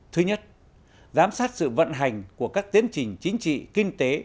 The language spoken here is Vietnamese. thứ nhất giám sát sự vận hành của các tiến trình chính trị kinh tế